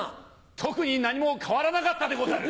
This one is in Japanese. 特に何も変わらなかったでござる。